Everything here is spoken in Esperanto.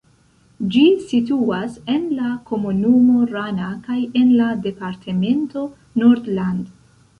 Ĝi situas en la komunumo Rana kaj en la departemento Nordland.